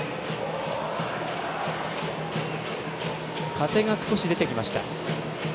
風が少し出てきました。